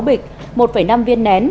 sáu bịch một năm viên nén